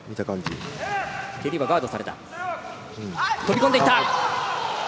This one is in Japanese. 蹴りはガードされた。